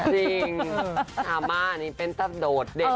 จริงหน้าม้านี่เป็นทับโดดเด่นเหลือเกิน